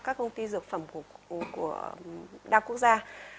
các công ty dược phẩm của đa quốc gia